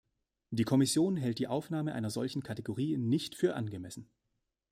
Die Kommission hält die Aufnahme einer solchen Kategorie nicht für angemessen.